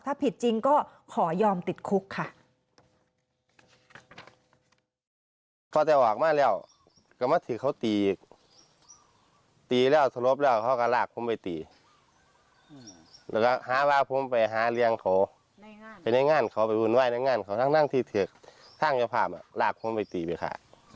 ถ้าผิดจริงก็ขอยอมติดคุกค่ะ